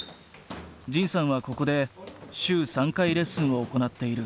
仁さんはここで週３回レッスンを行っている。